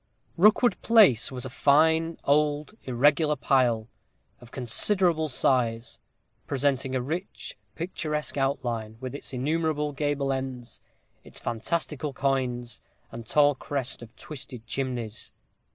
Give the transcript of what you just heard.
_ Rookwood Place was a fine, old, irregular pile, of considerable size, presenting a rich, picturesque outline, with its innumerable gable ends, its fantastical coigns, and tall crest of twisted chimneys.